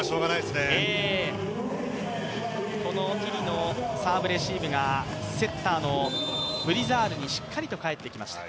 ティリのサーブレシーブがセッターのブリザールにしっかりと返ってきました。